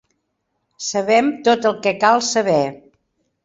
Sabem tot el que cal saber.